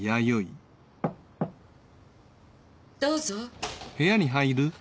どうぞ。